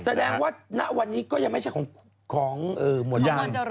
แสดงว่าณวันนี้ก็ยังไม่ใช่ของหมวดยาง